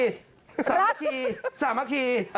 สามัคคีสามัคคี